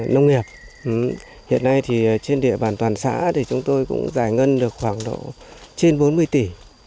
nông nghiệp hiện nay thì trên địa bàn toàn xã thì chúng tôi cũng giải ngân được khoảng độ trên bốn mươi tỷ